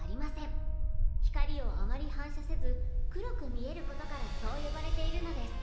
光をあまり反射せず黒く見えることからそう呼ばれているのです。